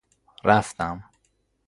رفتم